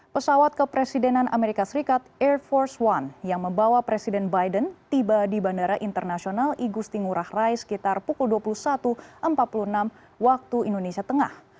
pesawat kepresidenan amerika serikat air force one yang membawa presiden biden tiba di bandara internasional igusti ngurah rai sekitar pukul dua puluh satu empat puluh enam waktu indonesia tengah